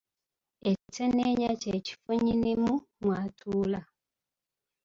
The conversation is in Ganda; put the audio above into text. Etenenya kye kifo nnyinimu mw’atuula.